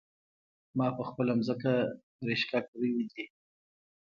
ما په خپله ځمکه رشکه کرلي دي